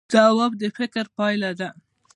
ځواب د فکر پایله ده